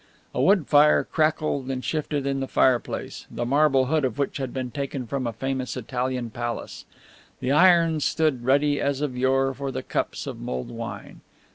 A wood fire crackled and shifted in the fireplace, the marble hood of which had been taken from a famous Italian palace. The irons stood ready as of yore for the cups of mulled wine.